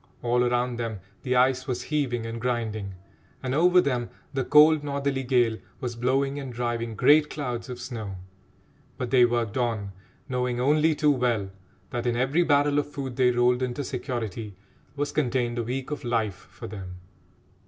All around them the ice was heaving and grinding, and over them the cold northerly gale was blowing and driving great clouds of snow; but they worked on, knowing only too well that in every barrel of food they rolled into security was contained a week of life for them.